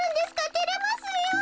てれますよ。